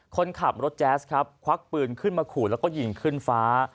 คนขับรถแจ๊สครับควักปืนขึ้นมาขู่แล้วก็ยิงขึ้นฟ้า